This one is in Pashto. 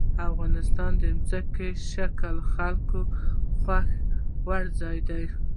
افغانستان کې ځمکنی شکل د خلکو د خوښې وړ ځای دی.